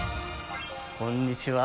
こんにちは。